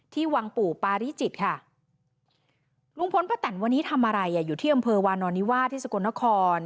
วังปู่ปาริจิตค่ะลุงพลป้าแตนวันนี้ทำอะไรอ่ะอยู่ที่อำเภอวานอนิวาที่สกลนคร